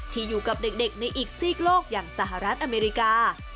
ที่อยู่กับเด็กในอีกซีกโลกอย่างสหรัฐอเมริกา